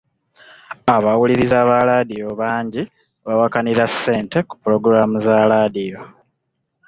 Abawuliriza ba laadiyo bangi bawakanira ssente ku pulogulaamu za laadiyo.